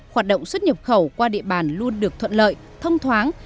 hoạt động xuất nhập khẩu qua địa bàn luôn được thuận lợi thông thoáng